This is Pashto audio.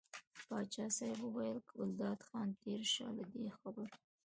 پاچا صاحب وویل ګلداد خانه تېر شه له دې خبرو.